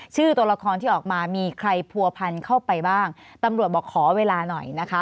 ตัวละครที่ออกมามีใครผัวพันเข้าไปบ้างตำรวจบอกขอเวลาหน่อยนะคะ